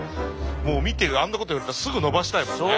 もう見てあんなこと言われたらすぐのばしたいもんね。